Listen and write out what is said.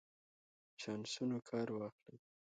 چانسونو کار واخلئ.